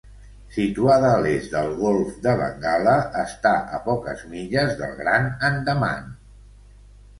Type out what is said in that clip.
Situada a l'est del golf de Bengala, està a poques milles del Gran Andaman.